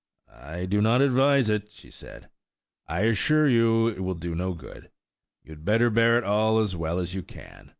"I do not advise it," she said; "I assure you it will do no good. You had better bear it all as well as you can."